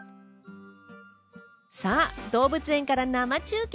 さあ動物園から生中継。